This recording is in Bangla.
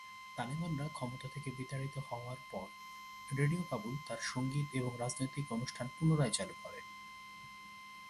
তালেবানরা ক্ষমতা থেকে বিতাড়িত হওয়ার পর রেডিও কাবুল তার সঙ্গীত এবং রাজনৈতিক অনুষ্ঠান পুনরায় চালু করে।